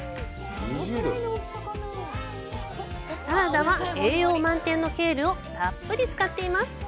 サラダは、栄養満点のケールをたっぷり使っています。